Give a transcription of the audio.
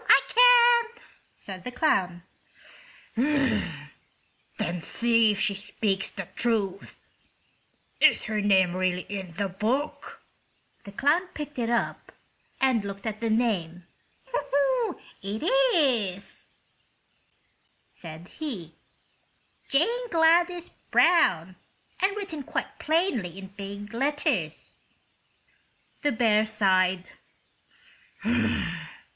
"I can," said the clown. "Then see if she speaks the truth. Is her name really in the book?" The clown picked it up and looked at the name. "It is," said he. "'Jane Gladys Brown;' and written quite plainly in big letters." The bear sighed.